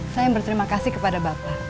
saya berterima kasih kepada bapak